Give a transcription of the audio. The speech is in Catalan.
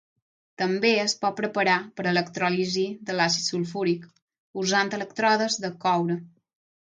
També es pot preparar per electròlisi de l'àcid sulfúric, usant elèctrodes de coure.